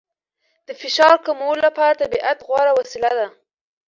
د فشار کمولو لپاره طبیعت غوره وسیله ده.